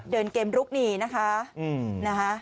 เดินเกมลุกหนีนะคะนะฮะ